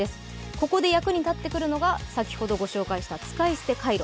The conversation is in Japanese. ここで役に立ってくるのが先ほどご紹介した使い捨てカイロ。